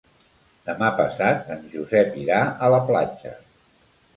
Demà passat en Josep irà a la platja.